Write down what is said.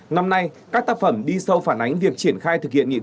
năm nay các tác phẩm đi sâu phản ánh việc triển khai thực hiện nghị quyết